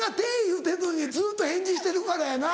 言うてるのにずっと返事してるからやな。